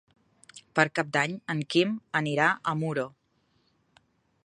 Per Cap d'Any en Quim anirà a Muro.